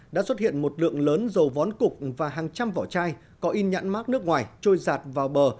đã xuất hiện một lượng lớn dầu vón cục và hàng trăm vỏ chai có in nhãn mát nước ngoài trôi giạt vào bờ